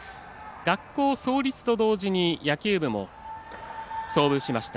学校創立と同時に野球部も創部しました。